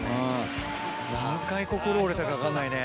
何回心折れたか分かんないね。